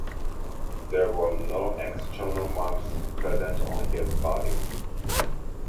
There were no external marks present on his body.